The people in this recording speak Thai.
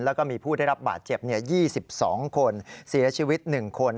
แล้วก็มีผู้ได้รับบาดเจ็บ๒๒คนเสียชีวิต๑คน